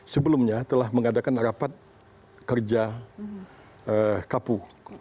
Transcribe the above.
sebelumnya telah mengadakan rapat kerja kapu